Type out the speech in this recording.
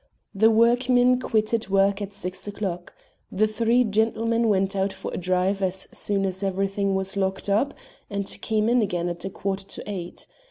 The workmen quitted work at six o'clock. The three gentlemen went out for a drive as soon as everything was locked up, and came in again at a quarter to eight.